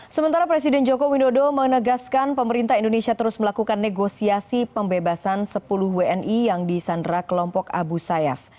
sementara presiden jokowi ndodo menegaskan pemerintah indonesia terus melakukan negosiasi pembebasan sepuluh wni yang di sandera kelompok abu sayyaf